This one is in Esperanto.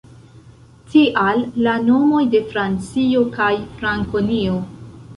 Tial, la nomoj de Francio kaj Frankonio.